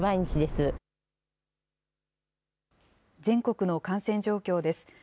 全国の感染状況です。